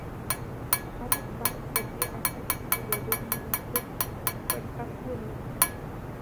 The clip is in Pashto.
خلک باید په دې عمل کې د ګډون مناسب فرصت ولري.